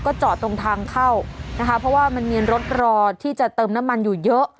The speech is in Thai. จอดตรงทางเข้านะคะเพราะว่ามันมีรถรอที่จะเติมน้ำมันอยู่เยอะ